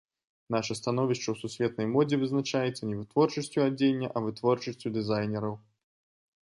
Наша становішча ў сусветнай модзе вызначаецца не вытворчасцю адзення, а вытворчасцю дызайнераў.